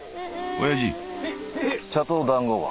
おやじ茶と団子を。